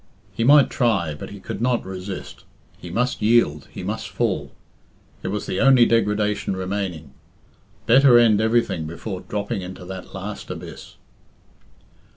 He might try, but he could not resist; he must yield, he must fall. It was the only degradation remaining. Better end everything before dropping into that last abyss.